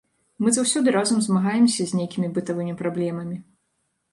Мы заўсёды разам змагаемся з нейкімі бытавымі праблемамі.